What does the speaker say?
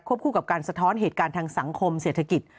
คู่กับการสะท้อนเหตุการณ์ทางสังคมเศรษฐกิจ